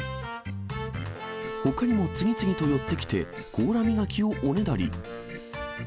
ほかにも次々と寄ってきて、甲羅磨きをおねだり。